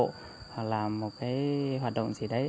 hoặc là một cái hoạt động gì đấy